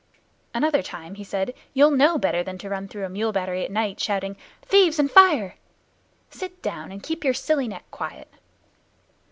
"Another time," he said, "you'll know better than to run through a mule battery at night, shouting `Thieves and fire!' Sit down, and keep your silly neck quiet."